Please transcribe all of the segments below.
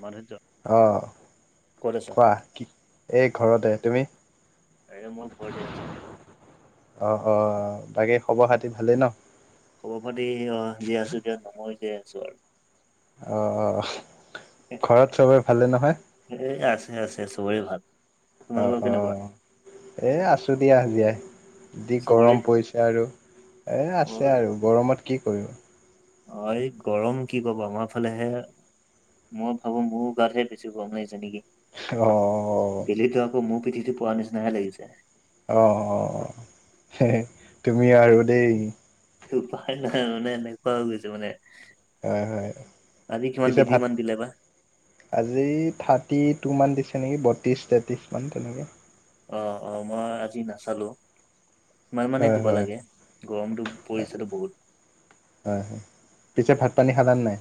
মাধুৰ্য অ', ক'ত আছা? কোৱা এই ঘৰতে তুমি? এ মই ঘৰতে আছো। অ', অ', বাকী খবৰ খাতি ভালেই ন? খবৰ পাতি অ জীয়াই আছো দিয়া নমৰি জীয়াই আছো আৰু। অ', ঘৰত চবে ভালে নহয়? এই আছে আছে চবৰে ভাল। অ', তোমালোকৰ কেনেকুৱা? অ', এই আছোঁ দিয়া জিয়াই। দি চবৰে গৰম পৰিছে আৰু এই অ আছে আৰু গৰমত কি কৰিবো। অ', এই গৰম কি ক'ব আমাৰ ফালেহে। মই ভাবো মোৰ গাতহে বেছি গৰম লাগিছে নেকি অ বেলিটো আকৌ মো পিঠিতে পৰা নিচনাহে লাগিছে। অ', অ', তুমি আৰু দেই। উপায় নাই মানে এনেকুৱা হৈ গৈছে মানে। হয় হয় আজি কিমান পিছে ডিগ্ৰী ভাত। মান দিলে বা? আজি থাৰ্টি টু মান দিছে নেকি বত্ৰিছ তেত্ৰিছ মান তেনেকে। অ', অ', মই আজি নাচালো। ইমান মানে হয় দিব হয় লাগে গৰমতটো পৰিছেতো বহুত। হয় হয় পিছে ভাত পানী খালান নাই?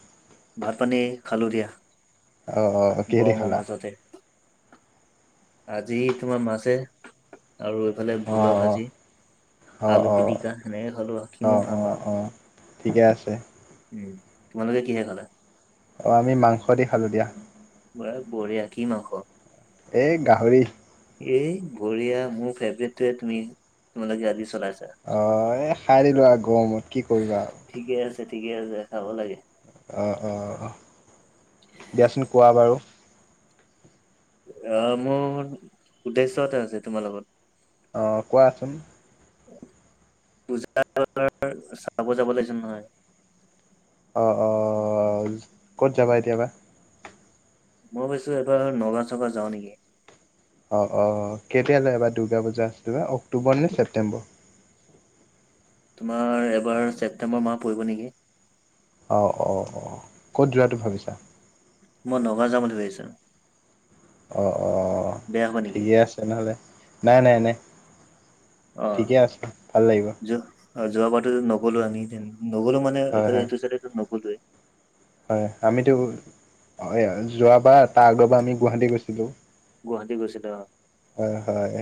ভাত পানী খালোঁ দিয়া। অ অ। কিহেদি গমৰ খালা মাজতে আজি তোমাৰ মাছে। আৰু এইফালে অ ভোল ভাজি, অ আলু অ অ পিটিকা, সেনেকে খালো আও কিনো অঁ খাম অঁ আৰু। অঁ ঠিকে আছে। উম তোমালোকে কিহে খালা? অ আমি মাংস দি খালোঁ দিয়া। ব বঢ়িয়া কি মাংস? এই গাহৰি। এই বৰিয়া মোৰ ফেভৰেটটোৱে তুমি তোমালোকে আজি চলাইছা। অ এ খাই দিলো আৰু গৰমত কি কৰিবা আৰু ঠিকে আছে ঠিকে আছে খাব লাগে অঁ অঁঁ দিয়াচোন কোৱা বাৰু আহ মোৰ উদ্দেশ্যয় এটা আছে তোমাৰ লগত অ কোৱাচোন পূজা চাব যাব লাগ যে নহয় অঁ অঁ ক'ত যাবা এতিয়াবা মই ভাবিছো এইবাৰ নগাঁও চগা যাওঁ নেকি অ অ কেতিয়ালৈবাৰ দুৰ্গা পূা আ বাা অক্টোবৰ নে ছেপ্্তেম্বৰ তোমাৰ এবাৰ ছেপ্তেম্বৰ মাহ পৰিব নেকি অঁ অঁ অঁ ক'ত যোৱাটো ভাবিছা মই নগাঁও যাম বুলি ভাবিছো অ অ বেয়া হ'ব নেকি ঠিকে আছে নহ'লে নাই নাই নাই অ ঠিকে আছে ভাল লাগিব যোৱা অ যোৱ বাৰো নগলো আমি নগলো মানে মানে হয় হয় এইফালটো চটো নগজে হয় আমিতো যোৱাবাৰ তাৰ আগৰবাৰ আমি গুৱাহাটী গৈছিলোঁ গুৱাহাটী গৈছিল হয় হয়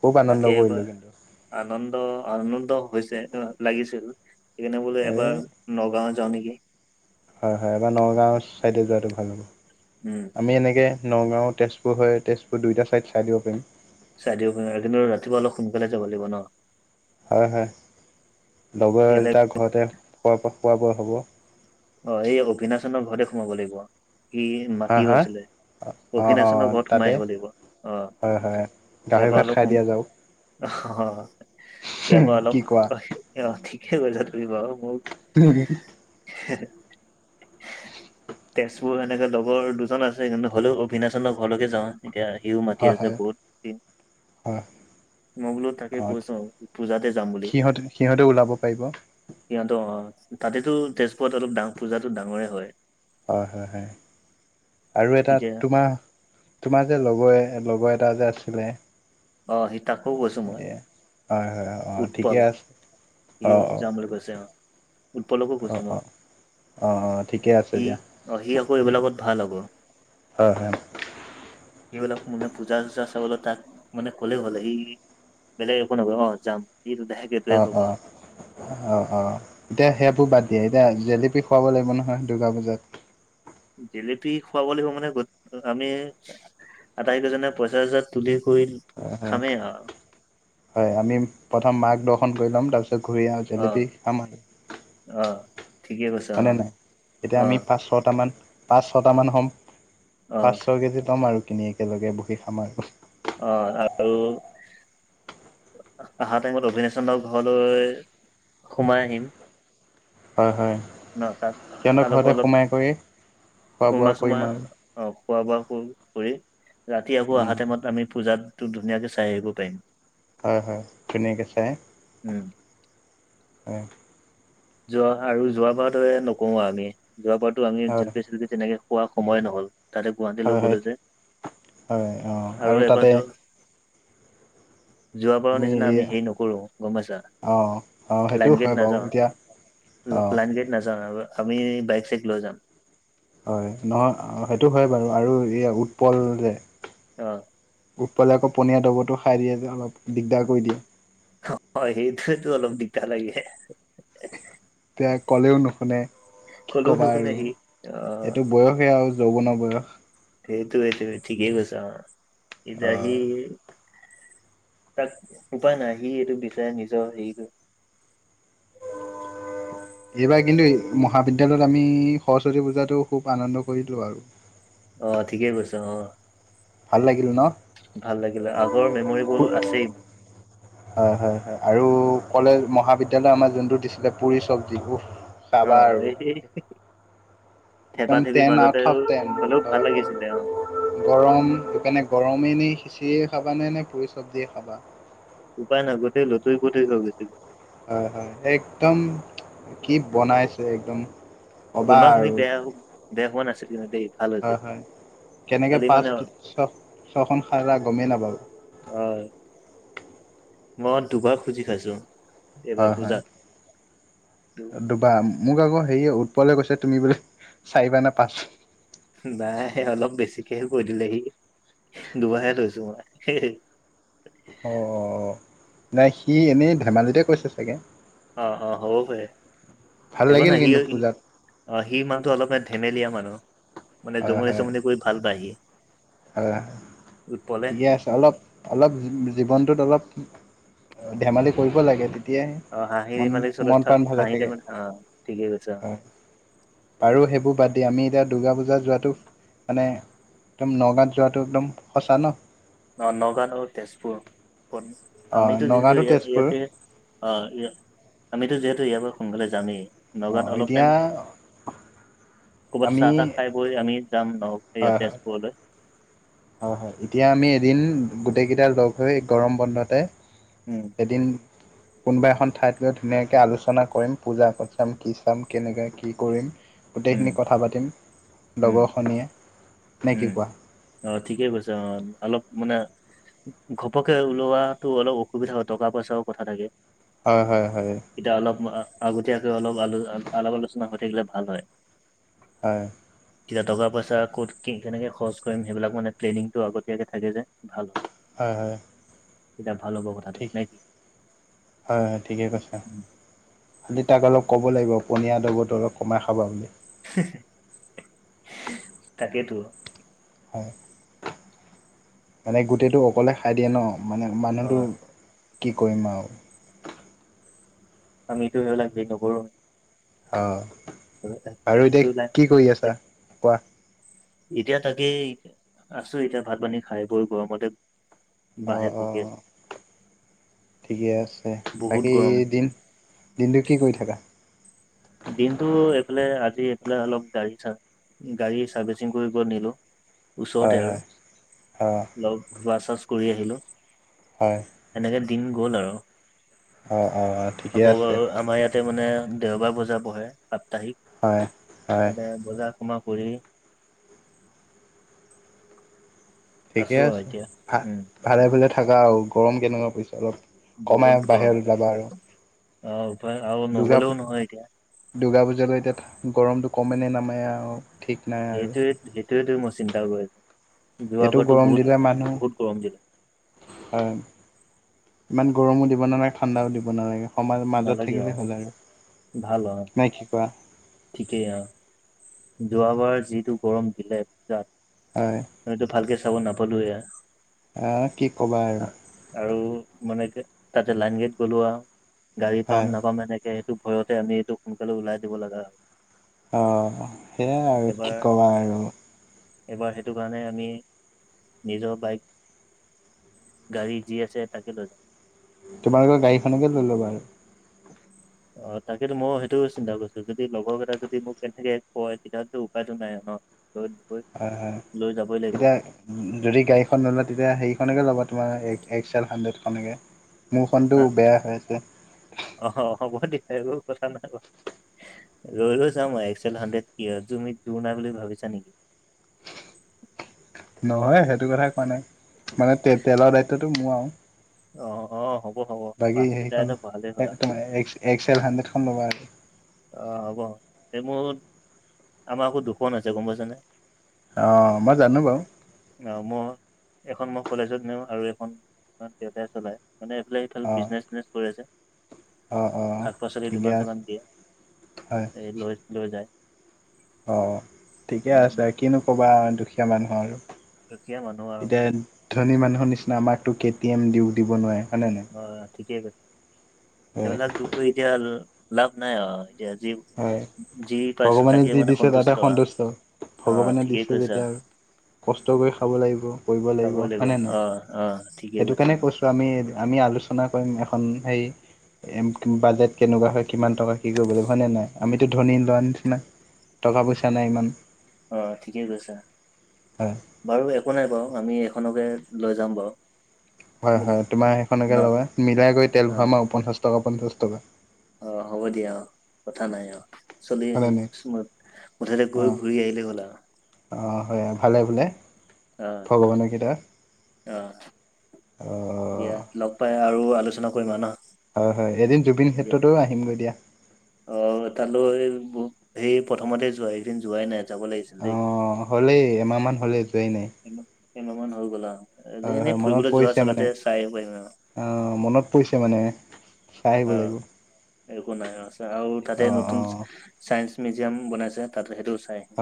খুব আনন্দ এবাৰ কৰিলোঁ কিন্তু আনন্দ আনন্দ হৈছে লাগিছিল সেইকাৰণে বোলেো এই এবাৰ নগাঁও যা নেকি হয় হয় এবাৰ নগাঁও ছাইডে যোৱাটো ভাল হ'ব উম আমি এনেকৈ নগাঁও তেজপুৰ হয় তেজপুৰ দুয়োটা ছাইড চাই দিব পাৰিম চাই দিক কিন্তু ৰাতিপুৱা অলপ সোনকালে যাব লাগিব ন হয় হয় লগৰ ইয়াতে দুটা ঘৰতে খোৱা খোৱা বোৱা হ'ব অ এই অবিনাশনৰ ঘৰতে সোমাব লাগিব ইি হা মাটিও হা আছিলে অঁ অঁ অক্ষিনাচনৰ ঘৰত তাতে সোমাই আহিব লাগিব আহ হয় হয় ইয়াৰ গাহৰি পৰা ভাত খাই অলপ শুন দিয়া যাওক ইয়াৰ পৰাা কি কোৱা অলপ ঠিকে কৈছা তুমি বাৰু মোৰ থে [unintelligible] তেজপুৰ এেনেকে লগৰ দুজন আছে কিন্তু হ'লেও অভিনাশনৰ ঘৰলৈকে যাওঁ এতিয়া সিউ মাটি হয় আছে হয় বহুত দিন হয় মোকলো তাকে অঁ কৈছো পূজাতে যাম বুলি সিহঁতে সিহঁতে ওলাব পাৰিব সিহঁতৰ অ তাতেতো তেজপুৰত অলপ ডাঙ পূজাতো ডাঙৰে হয় হয় হয় হয় আৰু এটা তেতিয়া তোমাৰ তোমাৰ যে লগৰ লগৰ এটা যে আছিলে অ সি তাকো কৈছো মই হয় হয় অ ঠিকে আছে সি অঁ অঁ যাম বুলি কৈছে উৎপলকো কৈছেো অঁ মই অঁ অ অ ঠিকে আছে দিয়া স অ', সি আকৌ এইবিলাকত ভাল আকৌ। হয়, হয়। কি বল মনে পূজাজছছে বল তাত মানে ক'লে হ'লে এই বেলেগ একো নহয় অ' যাম এইটো দুটাহে অ', অ'। অ', অ', এতিয়া সেইবোৰ বাদদে এতিয়া জেলেপি খুৱাব লাগিব নহয় দুৰ্গা পুজাত। জেলেপি খুৱাব লাগিব মানে ক'ত‌ আমি আটাইকেইজনে পইচা চইচা তুলি কৰি হয়, হয়, খামেই আৰু হয় আমি প্ৰথম মাক‌ দৰ্শন কৰি ল'ম তাৰপিছত ঘূৰি আৰু অ জেলেপি খাম আৰু। অ'। ঠিকে কৈছা হয়নে অ নাই? এতিয়া অ আমি পাঁচ ছটামান পাঁচ ছটামান হ'ম অ পাঁচ ছয় কেজি ল'ম আৰু কিনি। একেলগে বহি খাম আৰু। অ', আৰু অহা টাইমত অবিনাশহঁতৰ ঘৰলৈ সোমাই আহিম। হয়, হয়। ন তাৰ সিহঁতৰ ঘৰতে তালৈকো অলপ সোমাই কৰি খোৱা সুলমা বোৱা চুলমা কৰিম আৰু আহ খোৱা বোৱা কৰি ৰাতি আকৌ উম অহা টাইমত আমি পূজাতো ধুনীয়াকে চাই আহিব পাৰিম। হয়, হয় ধুনীয়াকৈ চাই উম হয়। যোৱা আৰু যোৱা বাৰৰ দৰে নকৰো আমি যোৱা বাৰতো আমি হয় জেলপি চেলপি তেনেকে খোৱা সময় নহ'ল। তাতে হয় গুৱাহাটীলৈ হয় গ'লো‌ যে হয় অঁ আৰু এবাৰ তাতে যোৱা [inaudible] যোৱাৰ বাৰৰ তুমি নিচিনা আমি হেৰি নকৰোঁ গম পাইছা অঁ অঁ সেইটোও লাইন‌ হয় গাড়ীত বাৰু নাযাওঁ। এতিয়া অঁ লাইন গাড়ীত নাযাওঁ আমি বাইক চাইক লৈ যাম। হয় নহয় সেইটো হয় বাৰু আৰু এইয়া উৎপল যে। অ'। উৎপলয়ে‌ যে আকৌ পনীয়া দ্ৰৱটো খাই দিয়ে যে অলপ দিগদাৰ কৰি দিয়ে। অ', সেইটোয়েতো অলপ দিগদাৰ লাগে। এতিয়া ক'লেও নুশুনে কি কলেও ক'বা নুশুনে আৰু সি অ এইটো। বয়সেই আৰু যৌৱনৰ বয়স। সেইটোৱেটো ঠিকে কৈছা। এতিয়া সি তাক উপায় নাই সি এইটো বিচাৰে নিজৰ হেৰিটো। এইবাৰ কিন্তু মহাবিদ্যালয়ত আমি সৰস্বতী পূজাটো খুব আনন্দ কৰিলোঁ আৰু। অ', ঠিকে কৈছ অ'। ভাল লাগিল ন? ভাল লাগিলে আগৰ মেম'ৰিবোৰ আছেই। হয়, হয়, হয় আৰু কলেজ মহাবিদ্যালয় আমাৰ যোনটো দিছিলে পুুৰী চব্জী অ', এই একদম থেপা থেপিৰ টেন আউট মাজতে অফ টেন হ'লেও হয় ভাল হয় লাগিছিলে অ'। গৰম সেইকাৰণে গৰমে নি সিঁচিৰিয়ে খাবা নে নে পুৰি চব্জিয়ে খাবা। উপায় নাই গোটেই লুতোৰী পুতোৰী হৈ গৈছেগে। হয়, হয় সেই একদম কি বনাইছে একদম। কবা [unintelligible] খিনি আৰু বেয়া বেয়া হোৱা নাছিল কিন্তু দেই ভাল হৈছিল। হয় হয় কেনেকে খালি পাঁচ মানে ছ-ছখন গমেই নাপালো। অ', মই দুবাৰ খুজি খাইছো। এইবাৰ হয় হয় পূজাত। দুবাৰ, মোক আকৌ হেৰি উৎপলে কৈছে তুমি বোলে চাৰিবা নে পাঁচ নাই অলপ বেছিকে কৈ দিলে সি দুবাৰ হে লৈছো মই। অ', নাই সি এনেই ধেমালিতে কৈছে চাগে। অ অ হ'ব ভ ভাল এক লাগিল নাই সি কিন্তু পূজাত অ সি মানুহটো অলপমান ধেমেলীয়া মানুহ মানে হয় জমনি হয় চমনি কৰি ভাল পায়াহি হয় ঠিকে আছে অলপ অলপ জীৱনটোত অলপ ধেমালি কৰিব লাগে তেতিয়াহে অ হাঁহি দিমালি চলত থাক হাঁহি ত মে অ ঠিকে কৈছে অ পাৰোঁ সেইবোৰ বাদ দি আমি এতিয়া দুূৰ্গা পূজা যোৱাটো মানে একদম ন গত যোৱাটো একদম সঁচা ন ন নগাঁও নও তেজপুৰ অঁ আমিতো যিহেতু নগাঁৱটো ই তেজপুৰ ইয়াতে অ আমিতো যিহেতু ইয়াৰ পৰা সোনকালে যামেই অঁ এতিয়া ক'বাত আমি চাহ তাহ খাই বৈ আমি যাম নয় হয় হয় তেজপুৰলৈ হয় হয় এতিয়া আমি এদিন গোটেইকেইটা লগ হৈ গৰম বন্ধতে উম এদিন কোনোবা এখন ঠাইত লৈ ধুনীয়াকে আলোচনা কৰিম পূজা পাঠ চাম কি চাম কেনেকৈ কি কৰিম উম গোটেইখিনি কথা পাতিম উম লগৰখনিয়ীয়ে নে কি উম কোৱা অ ঠিকে কৈছে অ অলপ মানে ঘপকে ওলোৱাাতো অলপ অসুবিধা হয় টকা পইচাও কথা থাকে হয় হয় হয় এতিয়া অলপ আগতীয়াকৈ অলপ আল আলপ আলোচনা হৈ থাকিলে ভাল হয় হয় কতি দগা পাছ ক'ত কেনেকে খৰচ কৰিম সেইবিলাক মানে প্লেনিংটো আগতীয়াকে থাকে যে ভাল হয় হয় হয় এইয়া ভালো ব ঠিক হয় হয় ঠিকে কৈছে অঁ খালি তাক অলপ ক'ব লাগিব পনীয়া দবটো অলপ কমাই খাবা বুলি তাকেইেতো হয় মানে গোটেইটো অকলে খাই দিয়ে ন মানে অ মানুহটো কি কৰিম আৰু আমিটো স লাগে নকৰো অঁ আৰু এতিয়া সেইটো নাই কি কৰি আছা কোৱা এতিয়া তাকেই আছো এতিয়া ভাত পানী খাই বৈ গৰমতে অঁ বাহিৰত বহি অঁ আছো ঠিকে আছে বহুত বাকী গৰম দিম দিনটো কি কৰি থাকা দিনতটো এইফালে আজি এইফালে অলপ গাঢ়িছা গাড়ী চাৰ্ভিচিং কৰি কৰি নিলো ওচৰতে হয় আৰু হয় অ অলপ হোৱা চছ কৰি আহিলোঁ হয় এনেকে দিন গ'ল আৰু অ অ ঠিকে আকৌ আছে আমাৰ ইয়াত তাতে মানে দেওবাৰ বজা বহে সাপ্তাহিক হয় হয় তাতে বজা সমা কৰি ঠিকে আছো আৰু আছে এতিয়া ভা উম ভালে ভালে থাকা আৰু গৰম কেনেকুৱা পইচা অলপ বহুত কমাই গৰম বাহিৰ যাবা আৰু অ উপায় আৰু দুৰ্গা পূজা নগলেও নহয় এতিয়া দুৰ্গা পূজালৈ এতিয়া গৰমটো কমে নামায় আৰু ঠিক নাই আৰু সেইটোৱে সেইটোৱেত মই চিন্তা কৰিছো যোৱা এইটো বাৰো গৰম বহুত বহুত গৰম দিলে হয় ইমান গৰমো দিব নালাগে ঠাণ্ডাও দিব নালাগে সমাজ মাজত নালাগে অ থাকিলেই হ'ল ভাল অ আৰু নাই কি কোৱা ঠিকেই আ যোৱাবাৰ যিটো গৰম দিলে পূজাত হয়। এইটো ভালকে চাব নাপালো এয়া অ', কি ক'বা আৰু আৰু মানে কি তাতে লাইন গেট গ'লো আৰু গাড়ী হয় পাম নাপাম এনেকে এ সেইটো ভয়তে আমি এইটো সোনকালে ওলাই দিব লগা হ'ল। অ', সেয়াই আৰু কি ক'বা আৰু এইবাৰ সেইটো কাৰণে আমি নিজৰ বাইক গাড়ী যি আছে তাকে লৈ যায় তোমালোকৰ গাডীনেকে লৈ ল'বা আৰু অ', তাকেতো মই সেইটোও চিন্তা কৰিছো যদি লগৰ কেইটা যদি মোক কেনেকে কয় তেতিয়াহলে উপায়তটো নাই ন [inaudible] হয় হয় লৈ যাবই লাগিব এতিয়া যদি গাড়ীখন নোলয় তেতিয়া সেইৰিখনকে ল'ব তোমাৰ এক্স এল হাণ্ড্ৰেডখনকে মোৰখনটো হা বেয়া হৈ আছে। [unintelligible] ৰৈ লৈ যাওঁই এক্স এেল হাড্ৰেড কি হয় তুমি জোৰ নাই বুলি ভাবিছা নেকি? নহয় সেইটো কথাই কোৱা নাই মানে তে তেলৰ দায়িত্বটো মোৰ আৰু অ', অ', হ'ব হ'ব বাকী পাঁচ [unintelligible] সেইখন এত ভালেই হ'লা তোমাৰ এক্সেল হাড্ৰেডখন ল'ব আৰু অ', হ'ব এই মোৰ আমাৰ আকৌ দুখন আছে গম পাইছেনে অ', মই জানো বাৰু অ', মই এখন মই কলেজত নিওঁ আৰু এখন দেউতাই চলাই মানে এইফালে ভাল অ' বিজনেছ চজনেছ কৰি আছে। অ', অ', শাক পাচলি ঠিকে দোকান চোকান আছে দিয়ে হয় লৈ লৈ যায়। অ', ঠিকে উম, আছে কিনো ক'বা দুখীয়া মানুহ আৰু দুখীয়া মানুহ আৰু এতিয়া ধনী মানুহৰ নিচিনা আমাকো কে টি এম দিও দিব নোৱাৰে হয়নে অ', ঠিকে কৈছে সেইবিলাক দুখো এতিয়া লাভ নাই অ এতিয়া যি হয় যি পাইছো ভগৱানে তাকে যি মানে দিছে তাতে আৰু সন্তুষ্ট অ ভগৱানে ঠিকেই দিছে কৈছা যেতিয়া আৰু কষ্ট কৰি খাব লাগিব কৰিব চাব লাগিব হয় নে নাই অ অ ঠিকেই সেইটো কৈছা কাৰণে কৈছোঁ আমি আমি আলোচনা কৰিম এখন হেই এ বাজেট কেনেকুৱা হয় কিমান টকা কি কৰিব ল হয় নে নাই আমিতো ধনী লোৱাৰ নিচিনা টকা পইচা নাই ইমান অ', ঠিকে কৈছে হয় বাৰু একো নাই বাৰু আমি এখনকে লৈ যাম বাৰু হয় হয় তোমাৰ ন সেইখনকে লবা মিলাই কৰি তেল অ ভৰা আম পঞ্চাছ টকা পঞ্চাছ টকা। অ', হ'ব দিয়া অ' কথা নাই অ' চলি হয়নে নাই আহিমত মুঠতে অ গৈ ঘূৰি আহিলে হ'ল আৰু অ', হয় ভালে বোলে উম, অ ভগৱানৰ কৃপাত অ [inaudible] লগ পাই আৰু আলোচনা কৰিম আৰু ন হয় হয় এদিন জুবিন দিয়া ক্ষেত্ৰতো আহিম গৈ দিয়া। অ', তালৈ সেই প্ৰথমতে যোৱা সেইদিন যোৱাই নাই যাব লাগিছিল অ দেই হ'লেই এমাহমান হ'লে যোৱাই নাই। কেইমাহ মান হৈ গ'ল আৰু এ হয় এনেই হয় মনত ফুৰিবলৈ পৰিছে যোৱাৰ মানে চগাতে চাই পাৰিম আৰু মনত পৰিছে মানে চাই আহিব অ লাগিব। একো নাই আৰু তাতে অ নতুন অ চাইন্ঞ্চ মিউজিয়াম বনাইছে তাতে সেইটো চাই আহিম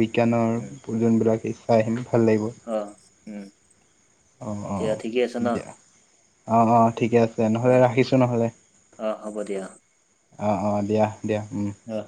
বিজ্ঞানৰ উম যোনবিলাক ইচ্ছা আহিম ভাল লাগিব। অ', উম অ', দিয়া অ', ঠিকে আছে ন দিয়া অ', অ', ঠিকে আছে। অ নহ'লে ৰাখিছোঁ নহ'লে অ হ'ব দিয়া অ, অ, দিয়া দিয়া। অ,